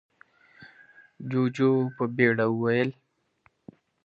جُوجُو په بيړه وويل: